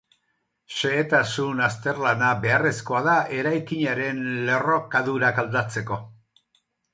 Xehetasun azterlana beharrezkoa da eraikinaren lerrokadurak aldatzeko.